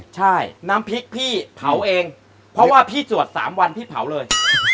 ใช่น้ำพริกพี่เผาเองเพราะว่าพี่สวด๓วันพี่เผาเลย